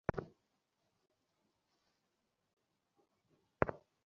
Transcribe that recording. Police একবার চেষ্টা করেছে।